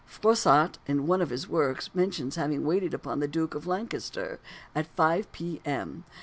Froissart, in one of his works, mentions having waited upon the Duke of Lancaster at 5 P.M.